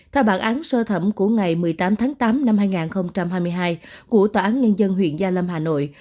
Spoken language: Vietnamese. theo bản án sơ thẩm của ngày một mươi tám tháng tám năm hai nghìn hai mươi hai của tòa án nhân dân huyện gia lâm hà nội